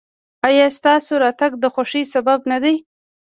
ایا ستاسو راتګ د خوښۍ سبب نه دی؟